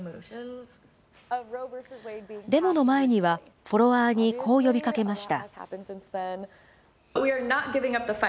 デモの前には、フォロワーにこう呼びかけました。